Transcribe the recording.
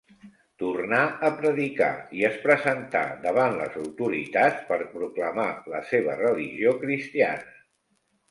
Tornà a predicar, i es presentà davant les autoritats per proclamar la seva religió cristiana.